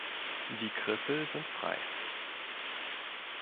Die Griffel sind frei.